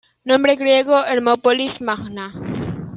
Nombre griego: Hermópolis Magna.